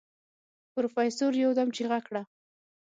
پروفيسر يودم چيغه کړه.